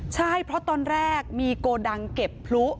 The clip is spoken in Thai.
ใช่เพราะตอนแรกมีโกดังเก็บพลุ